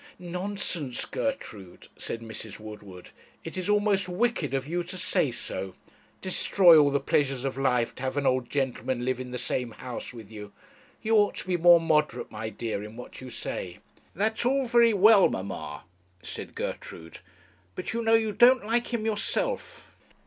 'Nonsense, Gertrude,' said Mrs. Woodward; 'it is almost wicked of you to say so. Destroy all the pleasure of life to have an old gentleman live in the same house with you! you ought to be more moderate, my dear, in what you say.' 'That's all very well, mamma,' said Gertrude, 'but you know you don't like him yourself.'